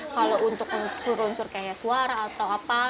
kalau untuk unsur unsur kayak suara atau apa